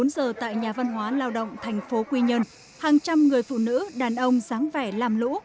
một mươi bốn giờ tại nhà văn hóa lao động tp quy nhân hàng trăm người phụ nữ đàn ông sáng vẻ làm lũ